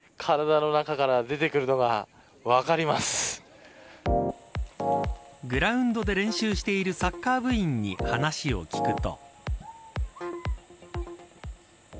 じわっと汗が体の中から出てくるのがグラウンドで練習しているサッカー部員に話を聞くと。